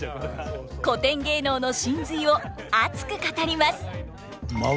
古典芸能の神髄を熱く語ります。